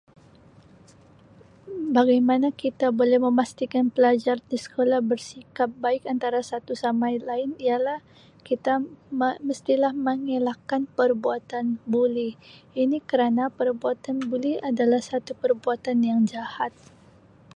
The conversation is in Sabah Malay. Bagaimana kita boleh memastikan pelajar di sekolah bersikap baik antara satu sama lain ialah kita me-mestilah mengelakkan perbuatan buli ini kerana perbuatan buli adalah satu perbuatan yang jahat.